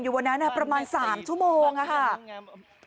อยู่บนนั้นนะครับประมาณ๓ชั่วโมงนะครับ